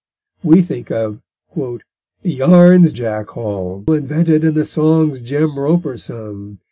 We think of _The yarns Jack Hall invented, and the songs Jem Roper sung.